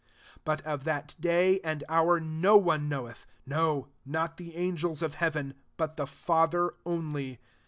36 «But of that day and hour no one knoweth ; no, not the ailgeb of heaven ; but the Father only.